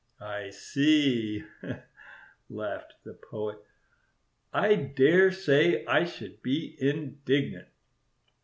"I see," laughed the Poet. "I dare say I should be indignant."